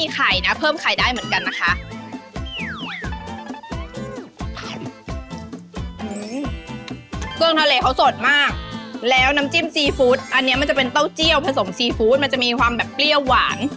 เครื่องทะเลเขาสดมากแล้วน้ำจิ้มซีฟู้ดอันนี้มันจะเป็นเต้าเจี่ยวผสมซีฟู้ดมันจะมีความแบบเปรี้ยวหวาน